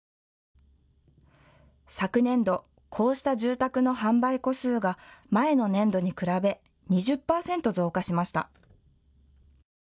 昨年度、こうした住宅の販売戸数が前の年度に比べ２０％増加しました。